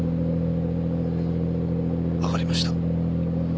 分かりました。